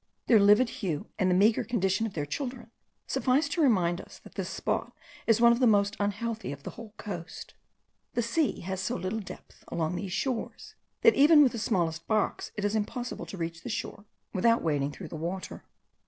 Their livid hue, and the meagre condition of their children, sufficed to remind us that this spot is one of the most unhealthy of the whole coast. The sea has so little depth along these shores, that even with the smallest barks it is impossible to reach the shore without wading through the water.